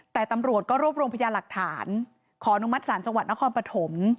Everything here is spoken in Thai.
แต่ตำรวจก็รวบรวมพยาหลักฐานขออนุมัติศาลจังหวัดนครปฐม